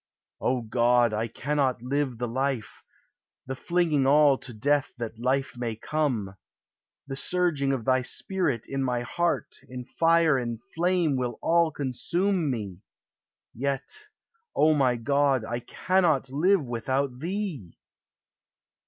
O God, I cannot live the Life, The flinging all to death that life may come; The surging of Thy Spirit in my heart In fire and flame will all consume me, Yet, O my God, I cannot live without Thee!